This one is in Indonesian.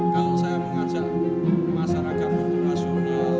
kalau saya mengajak masyarakat untuk nasional